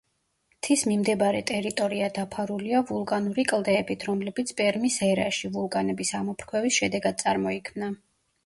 მთის მიმდებარე ტერიტორია დაფარულია ვულკანური კლდეებით, რომლებიც პერმის ერაში, ვულკანების ამოფრქვევის შედეგად წარმოიქმნა.